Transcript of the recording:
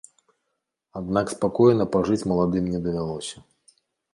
Аднак спакойна пажыць маладым не давялося.